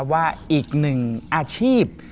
ว่าอีกหนึ่งอาชีพ